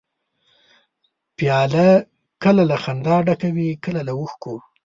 پیاله کله له خندا ډکه وي، کله له اوښکو.